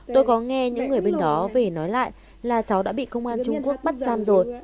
tôi có nghe những người bên đó về nói lại là cháu đã bị công an trung quốc bắt giam rồi